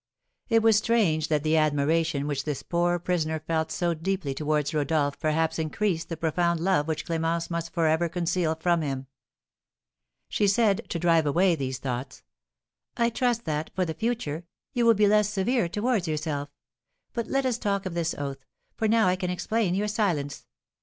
It was strange that the admiration which this poor prisoner felt so deeply towards Rodolph perhaps increased the profound love which Clémence must for ever conceal from him. She said, to drive away these thoughts: "I trust that, for the future, you will be less severe towards yourself. But let us talk of this oath, for now I can explain your silence.